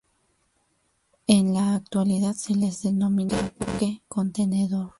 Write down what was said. En la actualidad se les denomina buque contenedor.